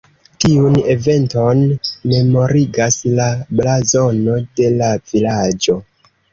Tiun eventon memorigas la blazono de la vilaĝo.